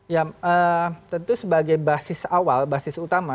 ya tentu sebagai basis awal basis utama